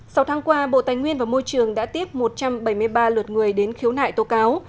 sau tháng qua bộ tài nguyên và môi trường đã tiếp một trăm bảy mươi ba lượt người đến khiếu nại tố cáo